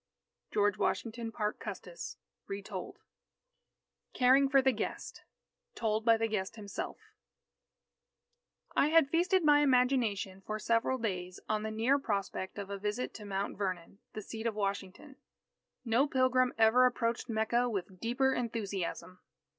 George Washington Parke Custis (Retold) CARING FOR THE GUEST Told by the Guest Himself I had feasted my imagination, for several days, on the near prospect of a visit to Mount Vernon, the seat of Washington. No pilgrim ever approached Mecca with deeper enthusiasm.